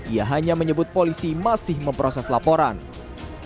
ia hanya menyebut polisi masih memproses laporan